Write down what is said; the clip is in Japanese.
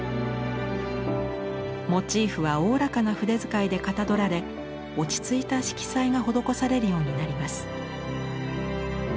モチーフはおおらかな筆遣いでかたどられ落ち着いた色彩が施されるようになります。